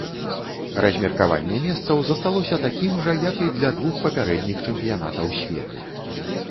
Размеркаванне месцаў засталося такім жа, як і для двух папярэдніх чэмпіянатаў свету.